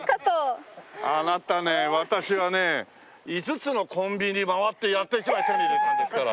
あなたね私はね５つのコンビニ回ってやっと１枚手に入れたんですから。